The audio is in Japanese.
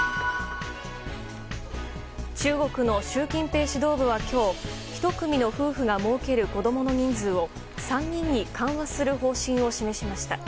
中国の習近平指導部は今日１組の夫婦がもうける子供の人数を３人に緩和する方針を示しました。